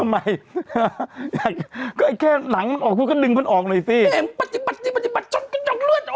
เมื่ยนี้ไม่ได้ไปเลย